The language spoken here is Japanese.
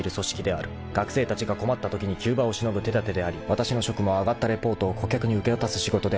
［学生たちが困ったときに急場をしのぐ手だてでありわたしの職務は上がったリポートを顧客に受け渡す仕事であった］